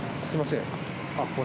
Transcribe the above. すみません。